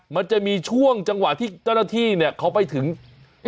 มันจะมีช่วงจังหวะที่เจ้าหน้าที่เนี่ยเขาไปถึง